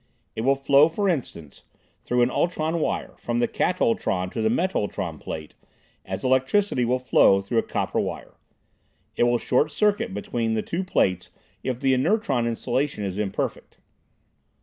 It will flow, for instance, through an ultron wire, from the katultron to the metultron plate, as electricity will flow through a copper wire. It will short circuit between the two plates if the inertron insulation is imperfect.